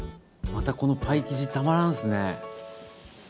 またこのパイ生地たまらんすね。